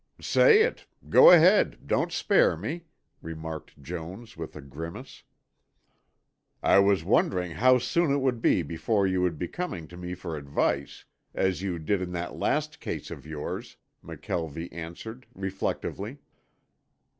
"Say it. Go ahead. Don't spare me," remarked Jones with a grimace. "I was wondering how soon it would be before you would be coming to me for advice, as you did in that last case of yours," McKelvie answered reflectively.